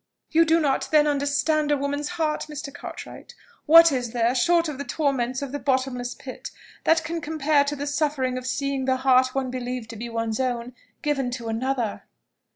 "You do not, then, understand a woman's heart, Mr. Cartwright! What is there, short of the torments of the bottomless pit, that can compare to the suffering of seeing the heart one believed to be one's own given to another?"